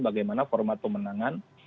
bagaimana format pemenangan